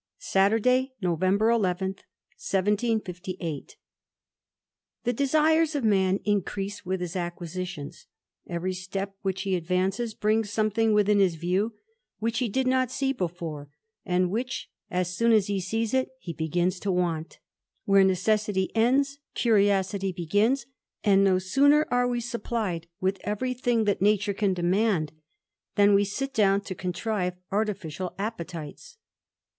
Saturday y November 11, 1758. J*HE desires of man increase with his acquisitions ; every step which he advances brings something within his ^€w, which he did not see before, and which, as soon as he ^^ it, he begins to want. Where necessity ends, curiosity ^^^*ns ; and no sooner are we supplied with every thing that ^ture can demand, than we sit down to contrive artificial ^Jpetites.